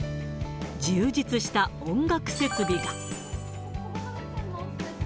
充実した音楽設備が。